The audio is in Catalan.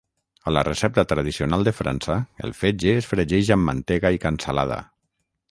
A la recepta tradicional de França el fetge es fregeix amb mantega i cansalada.